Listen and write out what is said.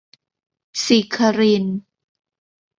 ศิครินทร์